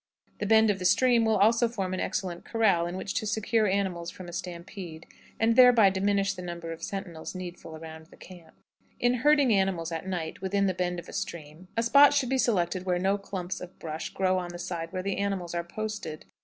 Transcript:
The bend of the stream will also form an excellent corral in which to secure animals from a stampede, and thereby diminish the number of sentinels needful around the camp. In herding animals at night within the bend of a stream, a spot should be selected where no clumps of brush grow on the side where the animals are posted.